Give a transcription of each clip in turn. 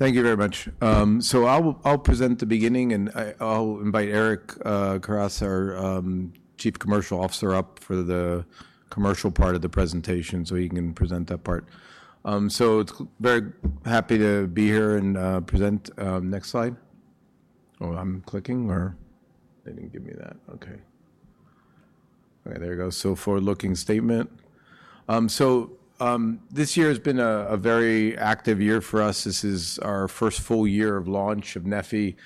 Thank you very much. I'll present the beginning, and I'll invite Eric Karas, our Chief Commercial Officer, up for the commercial part of the presentation so he can present that part. I'm very happy to be here and present. Next slide. Oh, I'm clicking, or they didn't give me that. Okay. Okay, there we go. Forward-looking statement. This year has been a very active year for us. This is our first full year of launch of neffy,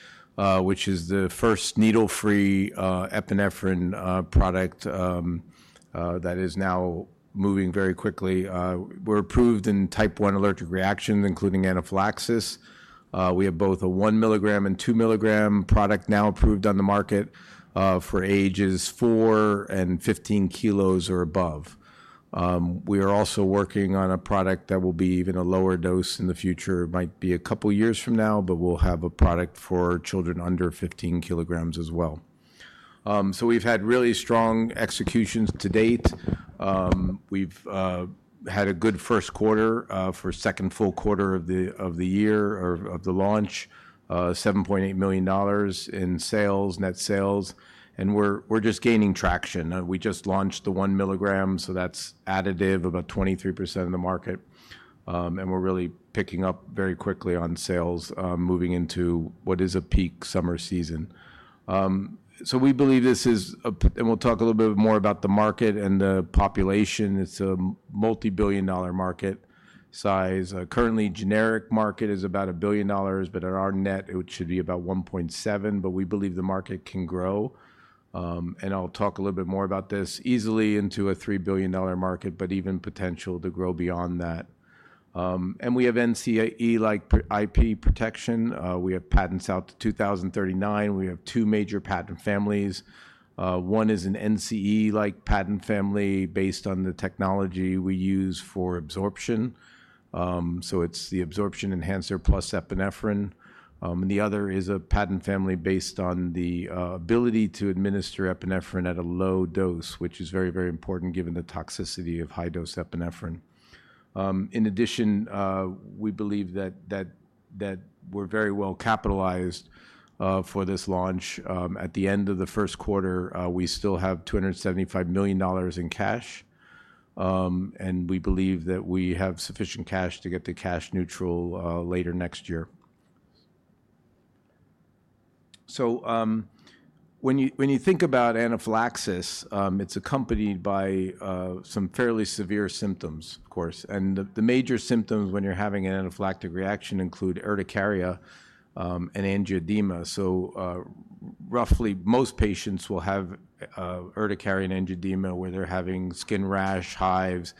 which is the first needle-free epinephrine product that is now moving very quickly. We're approved in type 1 allergic reactions, including anaphylaxis. We have both a 1 mg and 2 mg product now approved on the market for ages 4 and 15 kilos or above. We are also working on a product that will be even a lower dose in the future. It might be a couple of years from now, but we'll have a product for children under 15 kg as well. We've had really strong executions to date. We've had a good first quarter for second full quarter of the year or of the launch, $7.8 million in net sales. We're just gaining traction. We just launched the 1 mg, so that's additive, about 23% of the market. We're really picking up very quickly on sales moving into what is a peak summer season. We believe this is a—and we'll talk a little bit more about the market and the population. It's a multi-billion dollar market size. Currently, the generic market is about $1 billion, but at our net, it should be about $1.7 billion. We believe the market can grow. I'll talk a little bit more about this easily into a $3 billion market, but even potential to grow beyond that. We have NCAE-like IP protection. We have patents out to 2039. We have two major patent families. One is an NCE-like patent family based on the technology we use for absorption. It's the absorption enhancer plus epinephrine. The other is a patent family based on the ability to administer epinephrine at a low dose, which is very, very important given the toxicity of high-dose epinephrine. In addition, we believe that we're very well capitalized for this launch. At the end of the first quarter, we still have $275 million in cash. We believe that we have sufficient cash to get to cash neutral later next year. When you think about anaphylaxis, it's accompanied by some fairly severe symptoms, of course. The major symptoms when you're having an anaphylactic reaction include urticaria and angioedema. Roughly, most patients will have urticaria and angioedema where they're having skin rash, hives,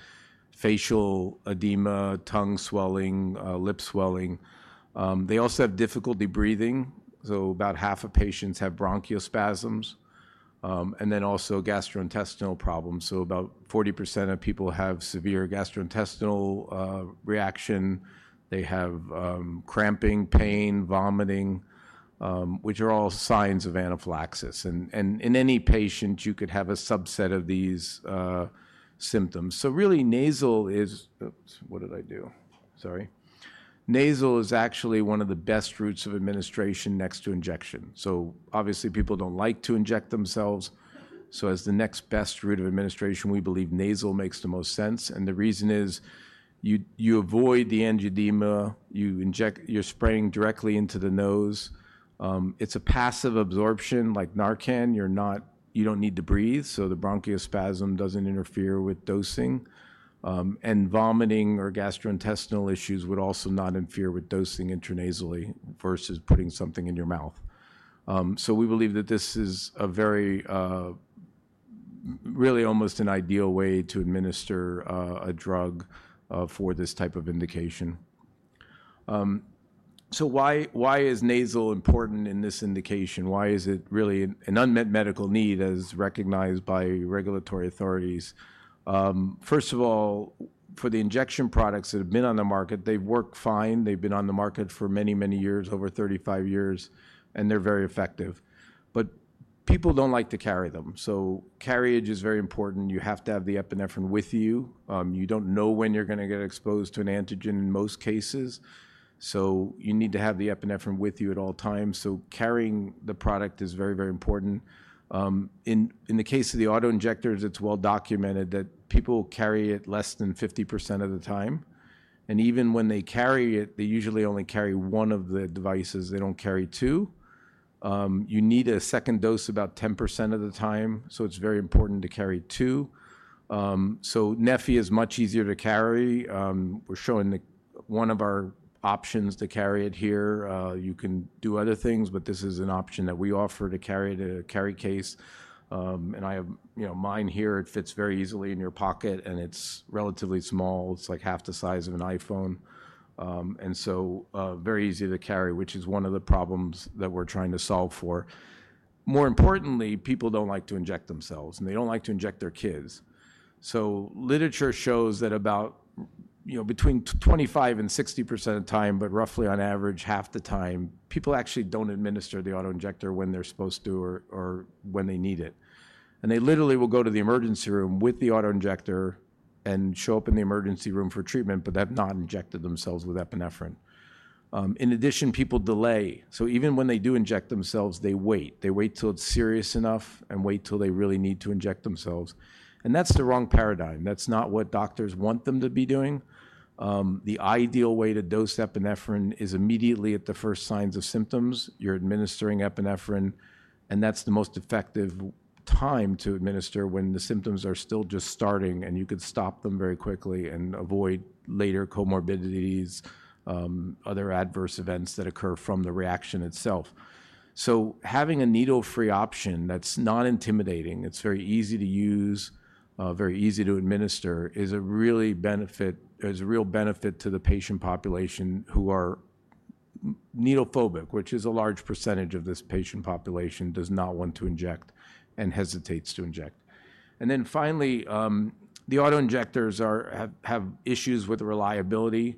facial edema, tongue swelling, lip swelling. They also have difficulty breathing. About half of patients have bronchospasms. There are also gastrointestinal problems. About 40% of people have severe gastrointestinal reaction. They have cramping, pain, vomiting, which are all signs of anaphylaxis. In any patient, you could have a subset of these symptoms. Really, nasal is—what did I do? Sorry. Nasal is actually one of the best routes of administration next to injection. Obviously, people don't like to inject themselves. As the next best route of administration, we believe nasal makes the most sense. The reason is you avoid the angioedema. You're spraying directly into the nose. It's a passive absorption like NARCAN. You don't need to breathe. The bronchospasm doesn't interfere with dosing. Vomiting or gastrointestinal issues would also not interfere with dosing intranasally versus putting something in your mouth. We believe that this is a very—really almost an ideal way to administer a drug for this type of indication. Why is nasal important in this indication? Why is it really an unmet medical need as recognized by regulatory authorities? First of all, for the injection products that have been on the market, they've worked fine. They've been on the market for many, many years, over 35 years, and they're very effective. People don't like to carry them. Carriage is very important. You have to have the epinephrine with you. You don't know when you're going to get exposed to an antigen in most cases. You need to have the epinephrine with you at all times. Carrying the product is very, very important. In the case of the auto-injectors, it's well documented that people carry it less than 50% of the time. Even when they carry it, they usually only carry one of the devices. They do not carry two. You need a second dose about 10% of the time. It is very important to carry two. neffy is much easier to carry. We're showing one of our options to carry it here. You can do other things, but this is an option that we offer to carry in a carry case. I have mine here. It fits very easily in your pocket, and it's relatively small. It's like half the size of an iPhone. Very easy to carry, which is one of the problems that we're trying to solve for. More importantly, people don't like to inject themselves, and they don't like to inject their kids. Literature shows that about between 25% and 60% of the time, but roughly on average, half the time, people actually don't administer the auto-injector when they're supposed to or when they need it. They literally will go to the emergency room with the auto-injector and show up in the emergency room for treatment, but they have not injected themselves with epinephrine. In addition, people delay. Even when they do inject themselves, they wait. They wait till it's serious enough and wait till they really need to inject themselves. That's the wrong paradigm. That's not what doctors want them to be doing. The ideal way to dose epinephrine is immediately at the first signs of symptoms you're administering epinephrine. That's the most effective time to administer when the symptoms are still just starting, and you can stop them very quickly and avoid later comorbidities, other adverse events that occur from the reaction itself. Having a needle-free option that's not intimidating, it's very easy to use, very easy to administer is a real benefit to the patient population who are needle-phobic, which is a large percentage of this patient population does not want to inject and hesitates to inject. Finally, the auto-injectors have issues with reliability.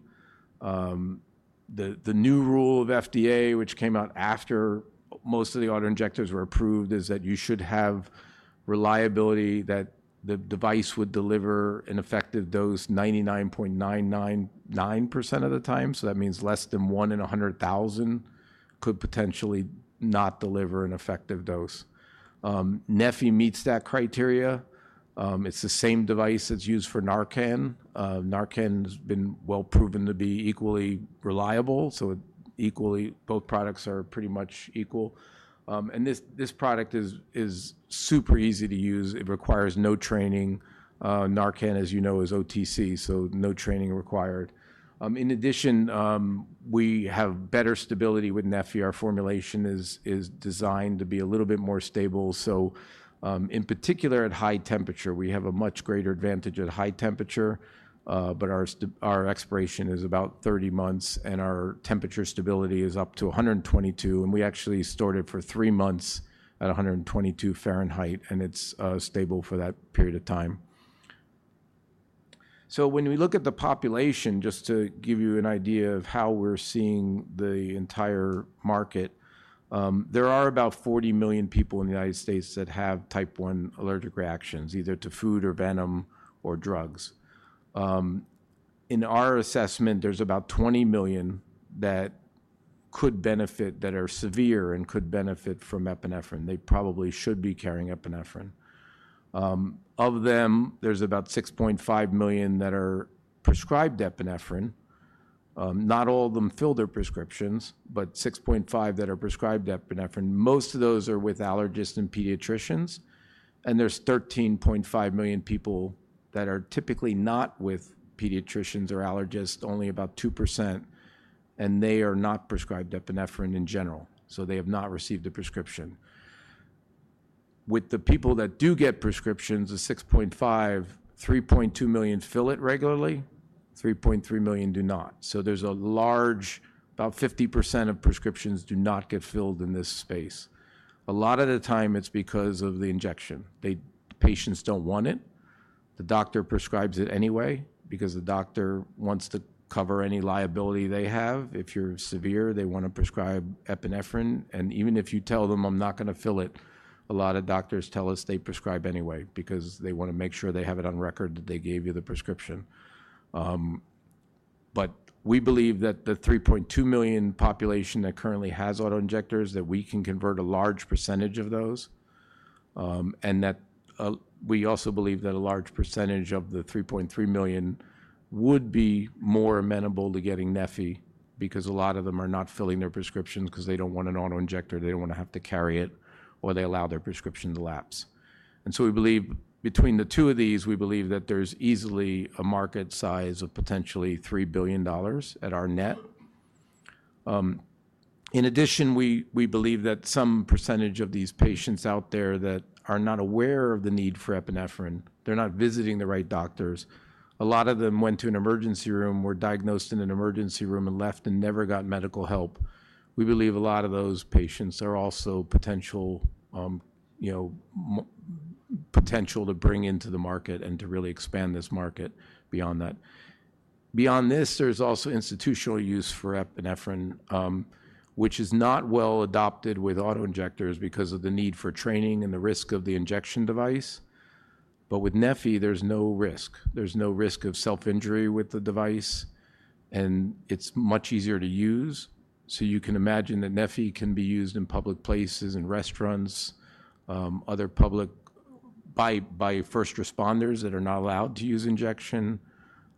The new rule of FDA, which came out after most of the auto-injectors were approved, is that you should have reliability that the device would deliver an effective dose 99.999% of the time. That means less than 1 in 100,000 could potentially not deliver an effective dose. neffy meets that criteria. It's the same device that's used for NARCAN. NARCAN has been well proven to be equally reliable. So both products are pretty much equal. And this product is super easy to use. It requires no training. NARCAN, as you know, is OTC, so no training required. In addition, we have better stability with neffy. Our formulation is designed to be a little bit more stable. In particular, at high temperature, we have a much greater advantage at high temperature. Our expiration is about 30 months, and our temperature stability is up to 122 degrees Fahrenheit. We actually stored it for three months at 122 degrees Fahrenheit, and it's stable for that period of time. When we look at the population, just to give you an idea of how we're seeing the entire market, there are about 40 million people in the United States that have type 1 allergic reactions, either to food or venom or drugs. In our assessment, there's about 20 million that could benefit, that are severe and could benefit from epinephrine. They probably should be carrying epinephrine. Of them, there's about 6.5 million that are prescribed epinephrine. Not all of them fill their prescriptions, but 6.5 that are prescribed epinephrine. Most of those are with allergists and pediatricians. There's 13.5 million people that are typically not with pediatricians or allergists, only about 2%. They are not prescribed epinephrine in general. They have not received a prescription. With the people that do get prescriptions, the 6.5, 3.2 million fill it regularly. 3.3 million do not. There's a large, about 50% of prescriptions do not get filled in this space. A lot of the time, it's because of the injection. Patients don't want it. The doctor prescribes it anyway because the doctor wants to cover any liability they have. If you're severe, they want to prescribe epinephrine. Even if you tell them, "I'm not going to fill it," a lot of doctors tell us they prescribe anyway because they want to make sure they have it on record that they gave you the prescription. We believe that the 3.2 million population that currently has auto-injectors, that we can convert a large percentage of those. We also believe that a large percentage of the 3.3 million would be more amenable to getting neffy because a lot of them are not filling their prescriptions because they don't want an auto-injector. They don't want to have to carry it or they allow their prescription to lapse. Between the two of these, we believe that there's easily a market size of potentially $3 billion at our net. In addition, we believe that some percentage of these patients out there that are not aware of the need for epinephrine, they're not visiting the right doctors. A lot of them went to an emergency room, were diagnosed in an emergency room, and left and never got medical help. We believe a lot of those patients are also potential to bring into the market and to really expand this market beyond that. Beyond this, there's also institutional use for epinephrine, which is not well adopted with auto-injectors because of the need for training and the risk of the injection device. With neffy, there's no risk. There's no risk of self-injury with the device. And it's much easier to use. You can imagine that neffy can be used in public places, in restaurants, other public by first responders that are not allowed to use injection,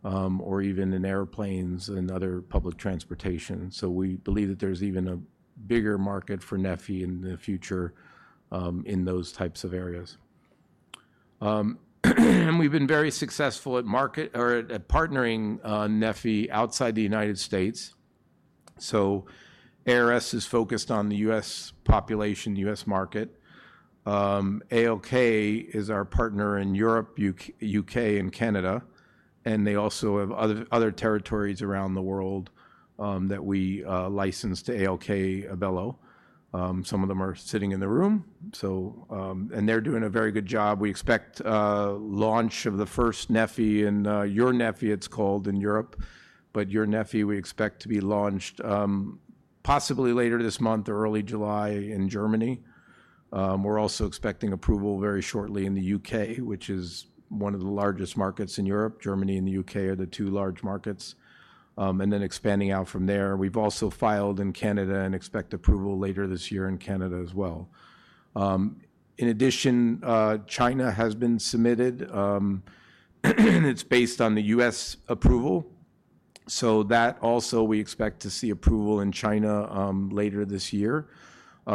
or even in airplanes and other public transportation. We believe that there's even a bigger market for neffy in the future in those types of areas. We've been very successful at partnering neffy outside the United States. ARS is focused on the U.S. population, U.S. market. ALK is our partner in Europe, U.K., and Canada. They also have other territories around the world that we license to ALK-Abelló. Some of them are sitting in the room. They're doing a very good job. We expect launch of the first neffy, EURneffy it's called, in Europe. EURneffy, we expect to be launched possibly later this month or early July in Germany. We're also expecting approval very shortly in the U.K., which is one of the largest markets in Europe. Germany and the U.K. are the two large markets, and then expanding out from there. We've also filed in Canada and expect approval later this year in Canada as well. In addition, China has been submitted. It's based on the U.S. approval. That also, we expect to see approval in China later this year.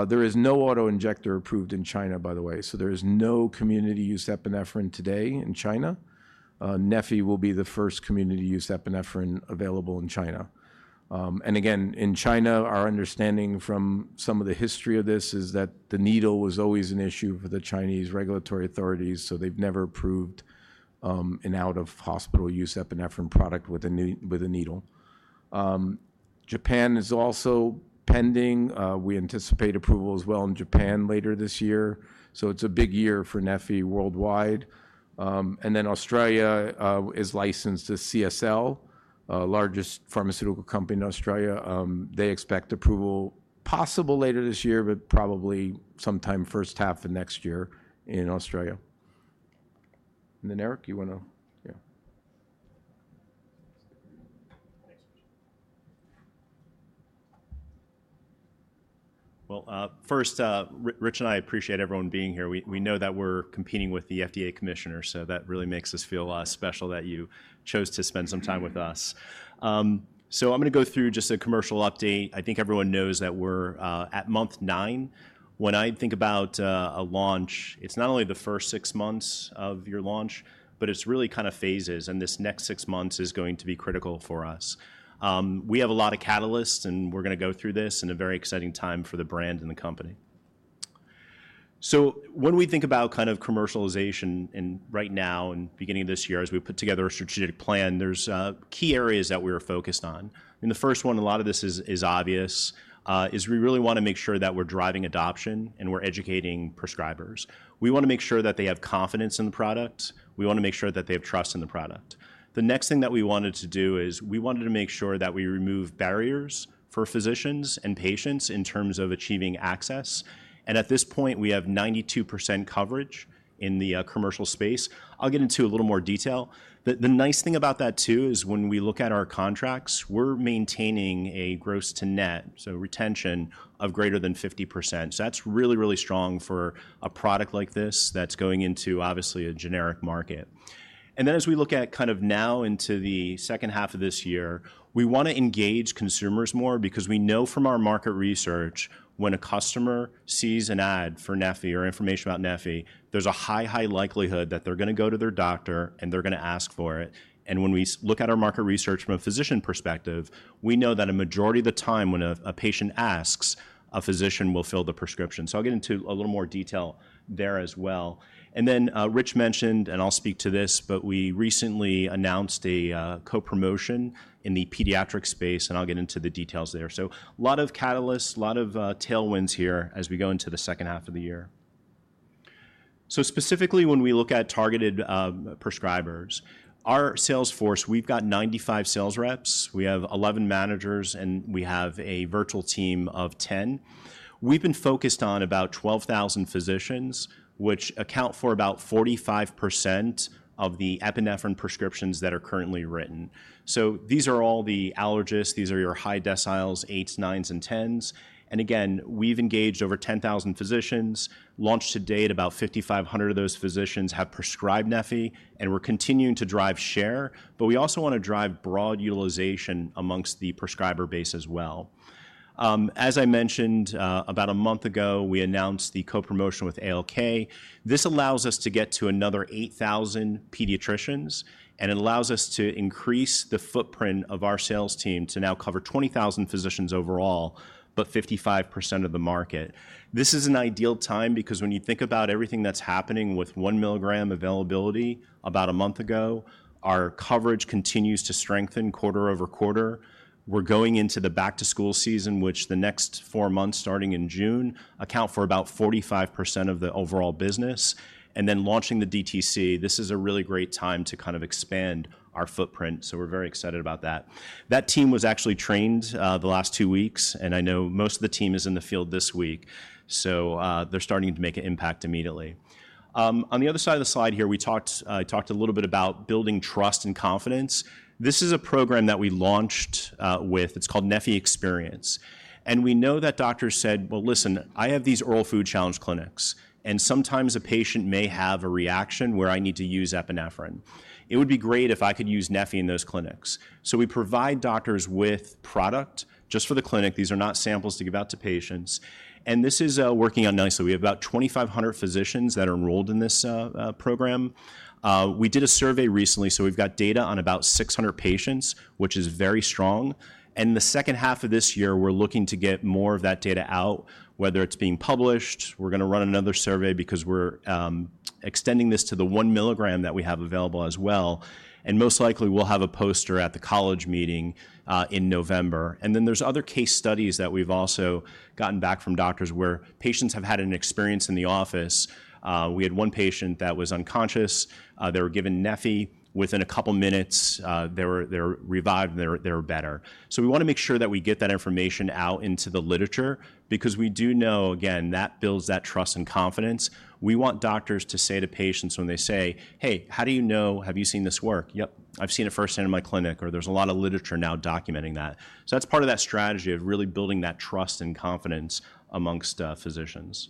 There is no auto-injector approved in China, by the way, so there is no community-used epinephrine today in China. neffy will be the first community-used epinephrine available in China. Again, in China, our understanding from some of the history of this is that the needle was always an issue for the Chinese regulatory authorities. They've never approved an out-of-hospital use epinephrine product with a needle. Japan is also pending. We anticipate approval as well in Japan later this year. It's a big year for neffy worldwide. Australia is licensed to CSL, largest pharmaceutical company in Australia. They expect approval possible later this year, but probably sometime first half of next year in Australia. Eric, you want to—yeah. First, Rich and I appreciate everyone being here. We know that we're competing with the FDA commissioner. That really makes us feel special that you chose to spend some time with us. I'm going to go through just a commercial update. I think everyone knows that we're at month nine. When I think about a launch, it's not only the first six months of your launch, but it's really kind of phases. This next six months is going to be critical for us. We have a lot of catalysts, and we're going to go through this in a very exciting time for the brand and the company. When we think about kind of commercialization right now and beginning this year as we put together a strategic plan, there's key areas that we are focused on. The first one, a lot of this is obvious, is we really want to make sure that we're driving adoption and we're educating prescribers. We want to make sure that they have confidence in the product. We want to make sure that they have trust in the product. The next thing that we wanted to do is we wanted to make sure that we remove barriers for physicians and patients in terms of achieving access. At this point, we have 92% coverage in the commercial space. I'll get into a little more detail. The nice thing about that too is when we look at our contracts, we're maintaining a gross to net, so retention of greater than 50%. That's really, really strong for a product like this that's going into obviously a generic market. As we look at kind of now into the second half of this year, we want to engage consumers more because we know from our market research when a customer sees an ad for neffy or information about neffy, there's a high, high likelihood that they're going to go to their doctor and they're going to ask for it. When we look at our market research from a physician perspective, we know that a majority of the time when a patient asks, a physician will fill the prescription. I'll get into a little more detail there as well. Rich mentioned, and I'll speak to this, but we recently announced a co-promotion in the pediatric space, and I'll get into the details there. A lot of catalysts, a lot of tailwinds here as we go into the second half of the year. Specifically, when we look at targeted prescribers, our sales force, we've got 95 sales reps. We have 11 managers, and we have a virtual team of 10. We've been focused on about 12,000 physicians, which account for about 45% of the epinephrine prescriptions that are currently written. These are all the allergists. These are your high deciles, eights, nines, and tens. We have engaged over 10,000 physicians. Launched to date, about 5,500 of those physicians have prescribed neffy. We are continuing to drive share. We also want to drive broad utilization amongst the prescriber base as well. As I mentioned, about a month ago, we announced the co-promotion with ALK. This allows us to get to another 8,000 pediatricians. It allows us to increase the footprint of our sales team to now cover 20,000 physicians overall, but 55% of the market. This is an ideal time because when you think about everything that is happening with 1 mg availability about a month ago, our coverage continues to strengthen quarter-over-quarter. We are going into the back-to-school season, which the next four months starting in June account for about 45% of the overall business. Launching the DTC, this is a really great time to kind of expand our footprint. We are very excited about that. That team was actually trained the last two weeks. I know most of the team is in the field this week. They are starting to make an impact immediately. On the other side of the slide here, I talked a little bit about building trust and confidence. This is a program that we launched with. It is called neffy Experience. We know that doctors said, "Listen, I have these oral food challenge clinics. Sometimes a patient may have a reaction where I need to use epinephrine. It would be great if I could use neffy in those clinics." We provide doctors with product just for the clinic. These are not samples to give out to patients. This is working out nicely. We have about 2,500 physicians that are enrolled in this program. We did a survey recently. So we've got data on about 600 patients, which is very strong. In the second half of this year, we're looking to get more of that data out, whether it's being published. We're going to run another survey because we're extending this to the 1 mg that we have available as well. Most likely, we'll have a poster at the college meeting in November. There are other case studies that we've also gotten back from doctors where patients have had an experience in the office. We had one patient that was unconscious. They were given neffy within a couple of minutes. They were revived, and they were better. We want to make sure that we get that information out into the literature because we do know, again, that builds that trust and confidence. We want doctors to say to patients when they say, "Hey, how do you know? Have you seen this work?" "Yep, I've seen it firsthand in my clinic," or, "There's a lot of literature now documenting that." That's part of that strategy of really building that trust and confidence amongst physicians.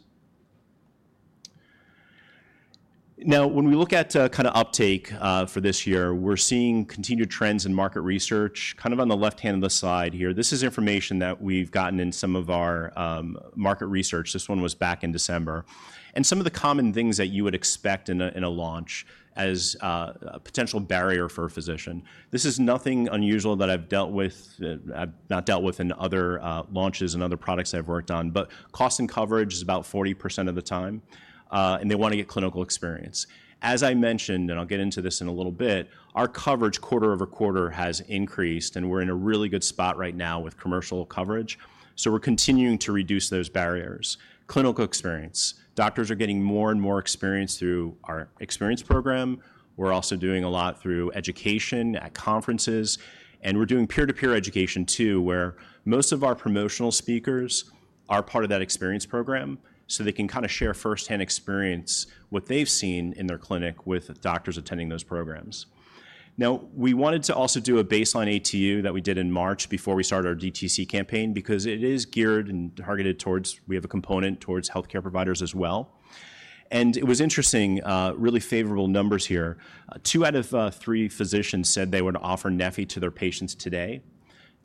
Now, when we look at kind of uptake for this year, we're seeing continued trends in market research. Kind of on the left-hand of the slide here, this is information that we've gotten in some of our market research. This one was back in December. Some of the common things that you would expect in a launch as a potential barrier for a physician. This is nothing unusual that I've dealt with, not dealt with in other launches and other products I've worked on. Cost and coverage is about 40% of the time. They want to get clinical experience. As I mentioned, and I'll get into this in a little bit, our coverage quarter-over-quarter has increased. We're in a really good spot right now with commercial coverage. We're continuing to reduce those barriers. Clinical experience. Doctors are getting more and more experience through our experience program. We're also doing a lot through education at conferences. We're doing peer-to-peer education too, where most of our promotional speakers are part of that experience program so they can kind of share firsthand experience, what they've seen in their clinic with doctors attending those programs. Now, we wanted to also do a baseline ATU that we did in March before we started our DTC campaign because it is geared and targeted towards we have a component towards healthcare providers as well. It was interesting, really favorable numbers here. Two out of three physicians said they would offer neffy to their patients today.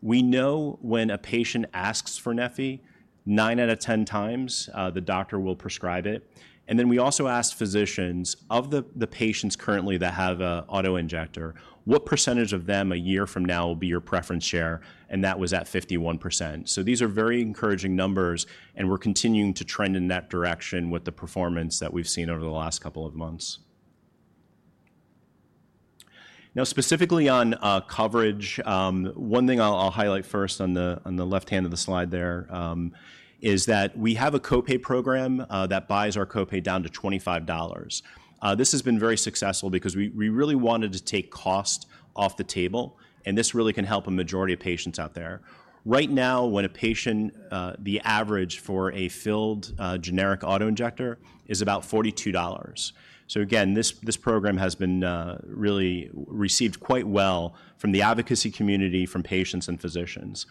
We know when a patient asks for neffy, 9 out of 10 times, the doctor will prescribe it. We also asked physicians of the patients currently that have an auto-injector, what percentage of them a year from now will be your preference share? That was at 51%. These are very encouraging numbers. We are continuing to trend in that direction with the performance that we have seen over the last couple of months. Now, specifically on coverage, one thing I'll highlight first on the left-hand of the slide there is that we have a Co-Pay program that buys our Co-Pay down to $25. This has been very successful because we really wanted to take cost off the table. And this really can help a majority of patients out there. Right now, when a patient, the average for a filled generic auto-injector is about $42. So again, this program has been really received quite well from the advocacy community, from patients and physicians.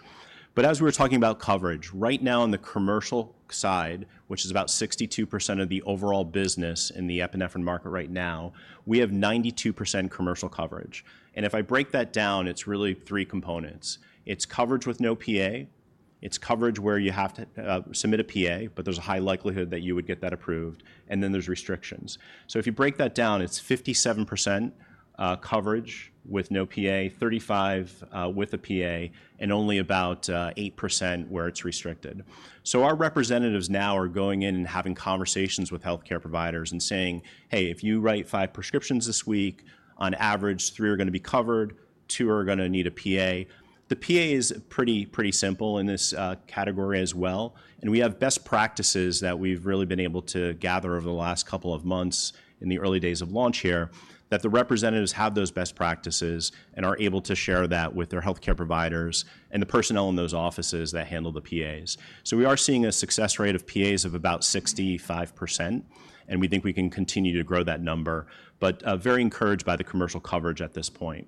But as we were talking about coverage, right now on the commercial side, which is about 62% of the overall business in the epinephrine market right now, we have 92% commercial coverage. And if I break that down, it's really three components. It's coverage with no PA. It's coverage where you have to submit a PA, but there's a high likelihood that you would get that approved. There are restrictions. If you break that down, it's 57% coverage with no PA, 35% with a PA, and only about 8% where it's restricted. Our representatives now are going in and having conversations with healthcare providers and saying, "Hey, if you write five prescriptions this week, on average, three are going to be covered. Two are going to need a PA." The PA is pretty simple in this category as well. We have best practices that we've really been able to gather over the last couple of months in the early days of launch here that the representatives have those best practices and are able to share that with their healthcare providers and the personnel in those offices that handle the PAs. We are seeing a success rate of PAs of about 65%. We think we can continue to grow that number, but very encouraged by the commercial coverage at this point.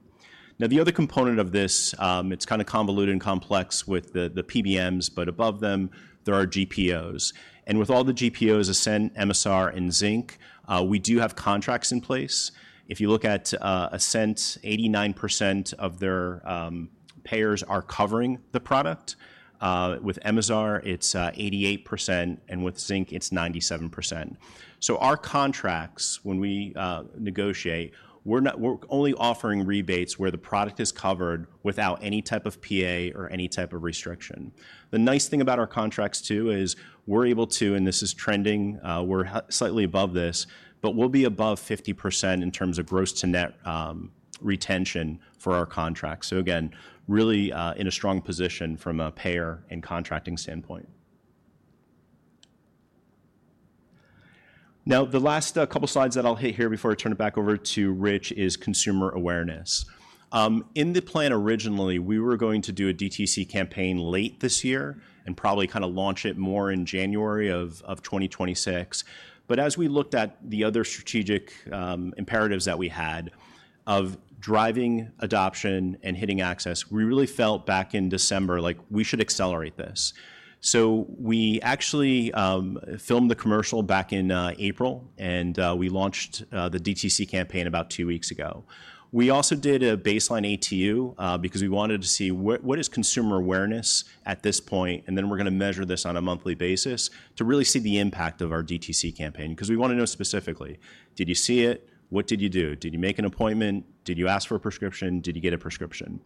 Now, the other component of this, it's kind of convoluted and complex with the PBMs, but above them, there are GPOs. With all the GPOs, Ascent, MSR, and Zinc, we do have contracts in place. If you look at Ascent, 89% of their payers are covering the product. With MSR, it's 88%. With Zinc, it's 97%. Our contracts, when we negotiate, we're only offering rebates where the product is covered without any type of PA or any type of restriction. The nice thing about our contracts too is we're able to, and this is trending, we're slightly above this, but we'll be above 50% in terms of gross to net retention for our contracts. Again, really in a strong position from a payer and contracting standpoint. Now, the last couple of slides that I'll hit here before I turn it back over to Rich is consumer awareness. In the plan originally, we were going to do a DTC campaign late this year and probably kind of launch it more in January of 2026. As we looked at the other strategic imperatives that we had of driving adoption and hitting access, we really felt back in December like we should accelerate this. We actually filmed the commercial back in April. We launched the DTC campaign about two weeks ago. We also did a baseline ATU because we wanted to see what is consumer awareness at this point. We're going to measure this on a monthly basis to really see the impact of our DTC campaign because we want to know specifically, did you see it? What did you do? Did you make an appointment? Did you ask for a prescription? Did you get a prescription?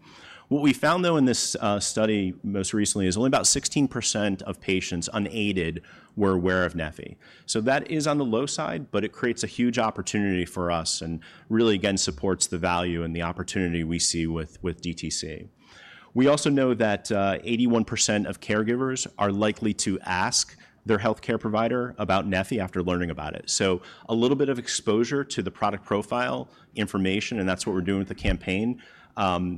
What we found, though, in this study most recently is only about 16% of patients unaided were aware of neffy. That is on the low side, but it creates a huge opportunity for us and really, again, supports the value and the opportunity we see with DTC. We also know that 81% of caregivers are likely to ask their healthcare provider about neffy after learning about it. A little bit of exposure to the product profile information, and that's what we're doing with the campaign.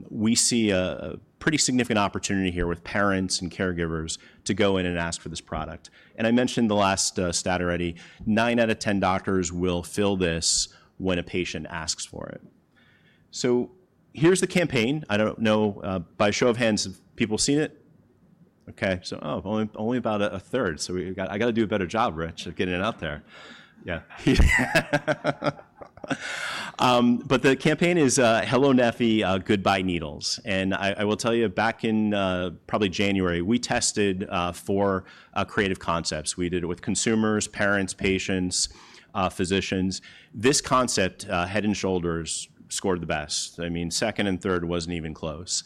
We see a pretty significant opportunity here with parents and caregivers to go in and ask for this product. I mentioned the last stat already, 9 out of 10 doctors will fill this when a patient asks for it. Here is the campaign. I do not know, by a show of hands, have people seen it? Okay. Only about a third. I got to do a better job, Rich, of getting it out there. Yeah. The campaign is Hello neffy, Goodbye Needles. I will tell you, back in probably January, we tested for creative concepts. We did it with consumers, parents, patients, physicians. This concept, Head and Shoulders, scored the best. I mean, second and third was not even close.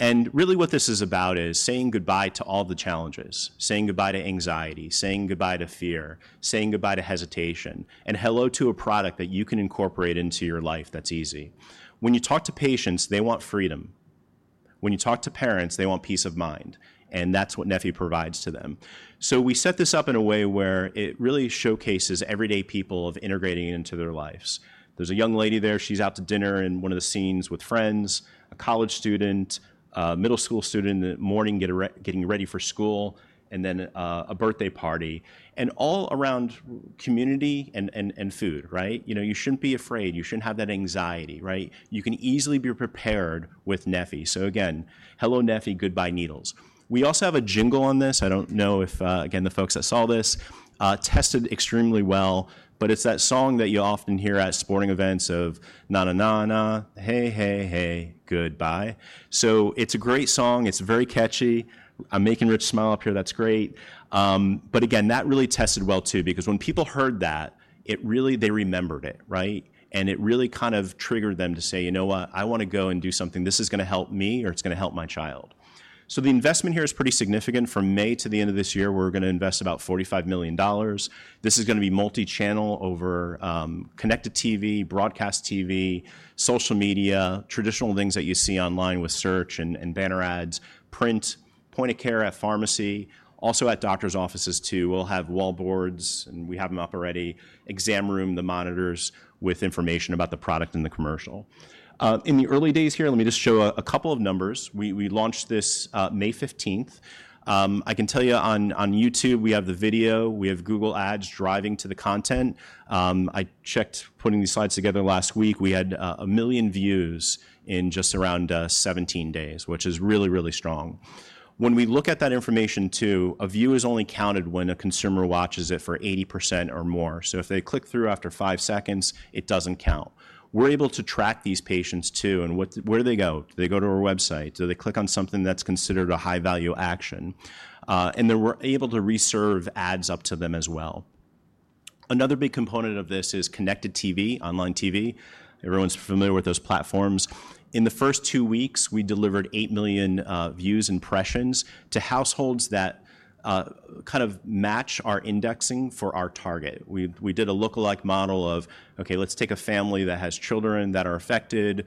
Really, what this is about is saying goodbye to all the challenges, saying goodbye to anxiety, saying goodbye to fear, saying goodbye to hesitation, and hello to a product that you can incorporate into your life that's easy. When you talk to patients, they want freedom. When you talk to parents, they want peace of mind. That's what neffy provides to them. We set this up in a way where it really showcases everyday people integrating it into their lives. There's a young lady there. She's out to dinner in one of the scenes with friends, a college student, a middle school student in the morning getting ready for school, and then a birthday party. All around community and food, right? You shouldn't be afraid. You shouldn't have that anxiety, right? You can easily be prepared with neffy. Again, Hello neffy, Goodbye Needles. We also have a jingle on this. I do not know if, again, the folks that saw this tested extremely well. It is that song that you often hear at sporting events of, "Na na na na, hey, hey, hey, goodbye." It is a great song. It is very catchy. I am making Rich smile up here. That is great. That really tested well too because when people heard that, they remembered it, right? It really kind of triggered them to say, "You know what? I want to go and do something. This is going to help me or it is going to help my child." The investment here is pretty significant. From May to the end of this year, we are going to invest about $45 million. This is going to be multi-channel over connected TV, broadcast TV, social media, traditional things that you see online with search and banner ads, print, point of care at pharmacy, also at doctors' offices too. We'll have wallboards, and we have them up already, exam room, the monitors with information about the product and the commercial. In the early days here, let me just show a couple of numbers. We launched this May 15th. I can tell you on YouTube, we have the video. We have Google Ads driving to the content. I checked putting these slides together last week. We had a million views in just around 17 days, which is really, really strong. When we look at that information too, a view is only counted when a consumer watches it for 80% or more. If they click through after five seconds, it doesn't count. We're able to track these patients too. Where do they go? Do they go to our website? Do they click on something that's considered a high-value action? We're able to reserve ads up to them as well. Another big component of this is connected TV, online TV. Everyone's familiar with those platforms. In the first two weeks, we delivered 8 million views impressions to households that kind of match our indexing for our target. We did a lookalike model of, "Okay, let's take a family that has children that are affected,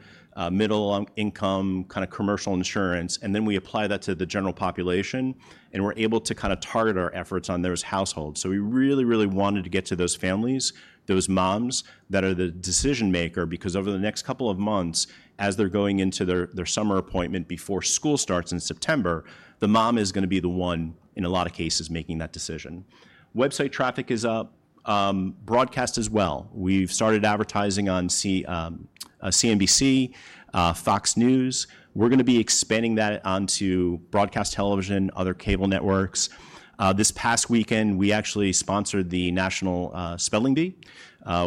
middle-income kind of commercial insurance, and then we apply that to the general population." We're able to kind of target our efforts on those households. We really, really wanted to get to those families, those moms that are the decision-maker because over the next couple of months, as they're going into their summer appointment before school starts in September, the mom is going to be the one, in a lot of cases, making that decision. Website traffic is up, broadcast as well. We've started advertising on CNBC, Fox News. We're going to be expanding that onto broadcast television, other cable networks. This past weekend, we actually sponsored the National Spelling Bee.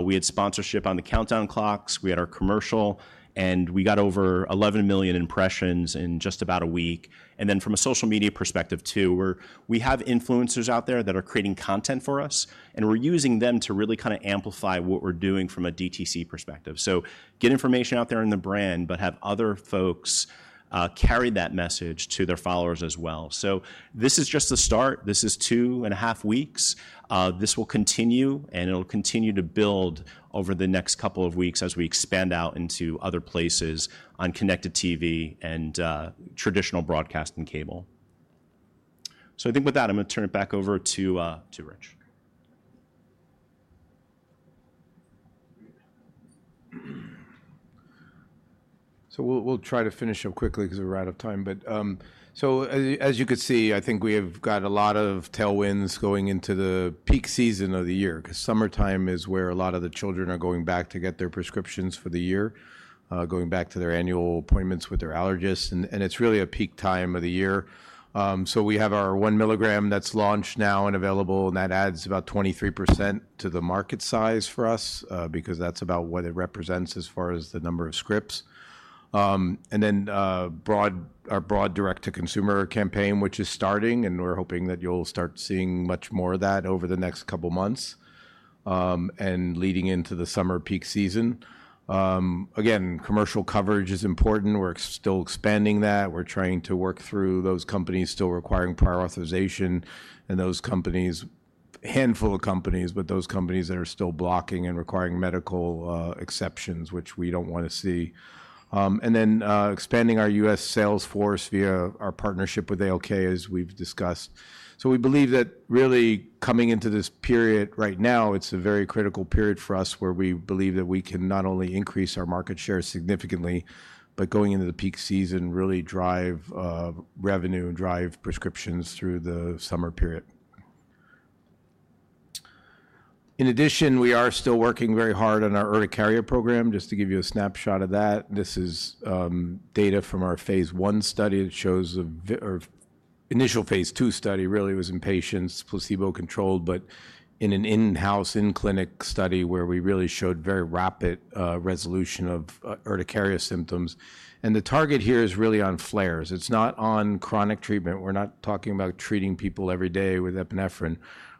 We had sponsorship on the Countdown Clocks. We had our commercial. We got over 11 million impressions in just about a week. From a social media perspective too, we have influencers out there that are creating content for us. We're using them to really kind of amplify what we're doing from a DTC perspective. Get information out there in the brand, but have other folks carry that message to their followers as well. This is just the start. This is two and a half weeks. This will continue, and it'll continue to build over the next couple of weeks as we expand out into other places on connected TV and traditional broadcast and cable. I think with that, I'm going to turn it back over to Rich. We'll try to finish up quickly because we're out of time. As you could see, I think we have got a lot of tailwinds going into the peak season of the year because summertime is where a lot of the children are going back to get their prescriptions for the year, going back to their annual appointments with their allergists. It's really a peak time of the year. We have our 1 mg that's launched now and available. That adds about 23% to the market size for us because that's about what it represents as far as the number of scripts. Our broad direct-to-consumer campaign is starting, and we're hoping that you'll start seeing much more of that over the next couple of months and leading into the summer peak season. Again, commercial coverage is important. We're still expanding that. We're trying to work through those companies still requiring prior authorization and those companies, a handful of companies, but those companies that are still blocking and requiring medical exceptions, which we don't want to see. Expanding our U.S. sales force via our partnership with ALK, as we've discussed. We believe that really coming into this period right now, it's a very critical period for us where we believe that we can not only increase our market share significantly, but going into the peak season really drive revenue and drive prescriptions through the summer period. In addition, we are still working very hard on our urticaria program. Just to give you a snapshot of that, this is data from our phase I study. It shows initial phase II study really was in patients, placebo-controlled, but in an in-house, in-clinic study where we really showed very rapid resolution of urticaria symptoms. The target here is really on flares. It's not on chronic treatment. We're not talking about treating people every day with epinephrine.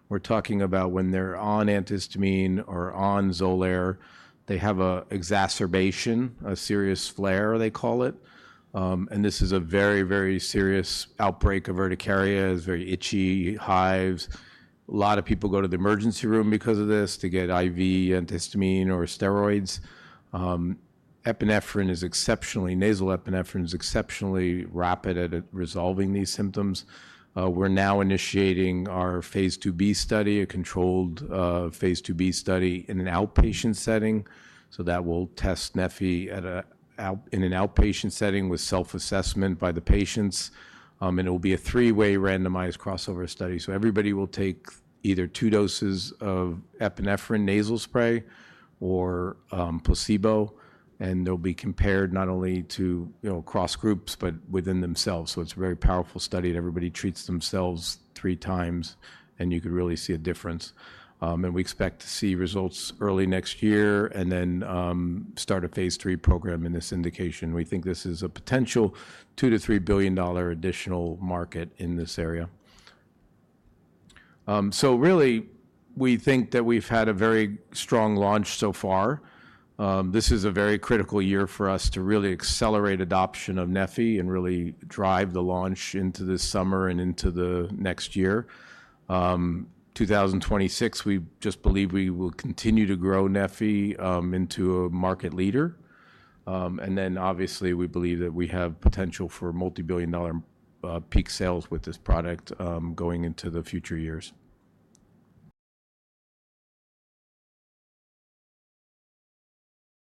We're talking about when they're on antihistamine or on XOLAIR, they have an exacerbation, a serious flare, they call it. This is a very, very serious outbreak of urticaria. It's very itchy, hives. A lot of people go to the emergency room because of this to get IV antihistamine or steroids. Epinephrine, especially nasal epinephrine, is exceptionally rapid at resolving these symptoms. We're now initiating our phase II-B study, a controlled phase II-B study in an outpatient setting. That will test neffy in an outpatient setting with self-assessment by the patients. It will be a three-way randomized crossover study. Everybody will take either two doses of epinephrine nasal spray or placebo. They'll be compared not only to cross groups, but within themselves. It's a very powerful study. Everybody treats themselves three times, and you could really see a difference. We expect to see results early next year and then start a phase III We think this is a potential $2 billion-$3 billion additional market in this area. Really, we think that we've had a very strong launch so far. This is a very critical year for us to really accelerate adoption of neffy and really drive the launch into this summer and into the next year. In 2026, we just believe we will continue to grow neffy into a market leader. Obviously, we believe that we have potential for multi-billion dollar peak sales with this product going into the future years.